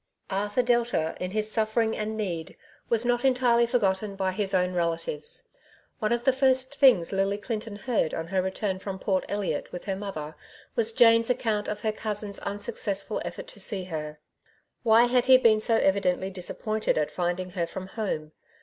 Abthub Delta^ in his suffering and need^ was not entirely forgotten by his own rektives. One of the first things Lily Clinton heard on her return from Port Elliot with her mother, was Jane's account of her cousin's unsuccessful effort to see her. Why had he been so evidently disappointed at finding her from home?